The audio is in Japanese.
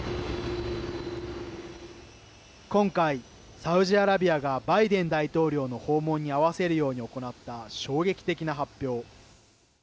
今回、サウジアラビアがバイデン大統領の訪問に合わせるように行った衝撃的な発表。